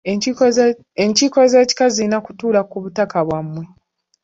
Enkiiko z’ekika zirina kutuula ku butaka bwa mmwe.